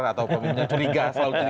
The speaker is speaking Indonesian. atau pemimpin yang selalu curiga